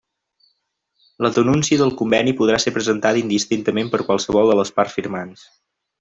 La denúncia del conveni podrà ser presentada indistintament per qualsevol de les parts firmants.